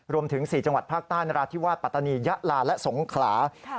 ๔จังหวัดภาคใต้นราธิวาสปัตตานียะลาและสงขลา